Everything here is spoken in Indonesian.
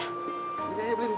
siapa sih berisik banget